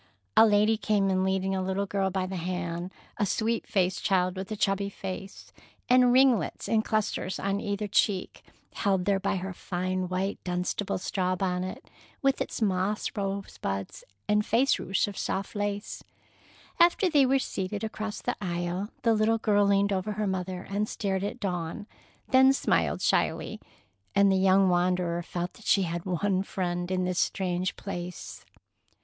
A lady came in leading a little girl by the hand, a sweet faced child with a chubby face, and ringlets in clusters on either cheek, held there by her fine white, dunstable straw bonnet, with its moss rosebuds and face ruche of soft lace. After they were seated, across the aisle, the little girl leaned over her mother and stared at Dawn, then smiled shyly, and the young wanderer felt that she had one friend in this strange place.